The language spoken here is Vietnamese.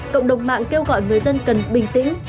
cộng đồng mạng kêu gọi người dân cần bình tĩnh